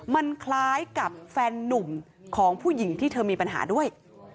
มันคล้ายกับแฟนนุ่มของผู้หญิงที่เธอมีปัญหาด้วย